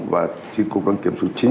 và chi cục đăng kiểm số chín